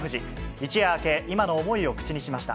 一夜明け、今の思いを口にしました。